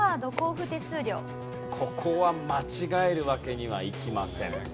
ここは間違えるわけにはいきません。